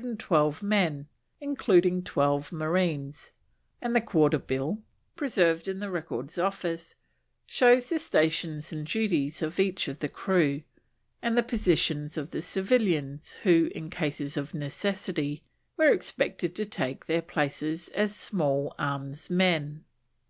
112 men, including 20 marines; and the Quarter Bill, preserved in the Records Office, shows the stations and duties of each of the crew, and the positions of the civilians who in cases of necessity were expected to take their places as small arms men.